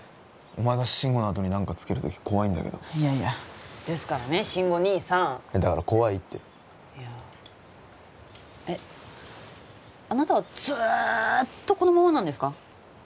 お前が慎吾のあとに何かつけるとき怖いんだけどいやいやですからね慎吾兄さんだから怖いっていやえっあなたはずっとこのままなんですか？